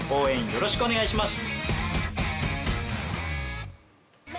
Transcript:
よろしくお願いします。